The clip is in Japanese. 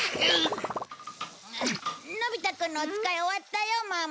のび太くんのお使い終わったよママ。